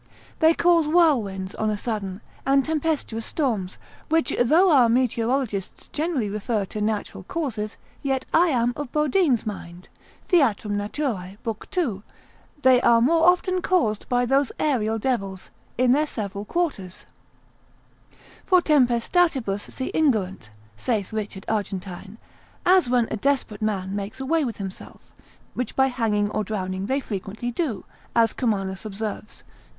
They cause whirlwinds on a sudden, and tempestuous storms; which though our meteorologists generally refer to natural causes, yet I am of Bodine's mind, Theat. Nat. l. 2. they are more often caused by those aerial devils, in their several quarters; for Tempestatibus se ingerunt, saith Rich. Argentine; as when a desperate man makes away with himself, which by hanging or drowning they frequently do, as Kommanus observes, de mirac. mort. part. 7, c. 76.